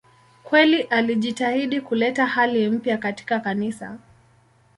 Kweli alijitahidi kuleta hali mpya katika Kanisa.